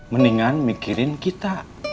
mendingan mikirin kita